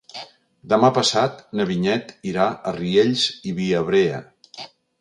Demà passat na Vinyet irà a Riells i Viabrea.